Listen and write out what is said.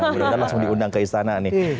mudah mudahan langsung diundang ke istana nih